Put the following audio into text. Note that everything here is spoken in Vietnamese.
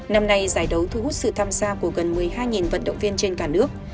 năm nay giải đấu thu hút sự tham gia của gần một mươi hai vận động viên trên cả nước